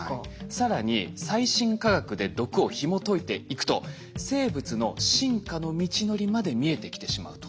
更に最新科学で毒をひもといていくと生物の進化の道のりまで見えてきてしまうと。